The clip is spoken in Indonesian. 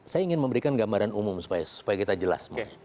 saya ingin memberikan gambaran umum supaya kita jelas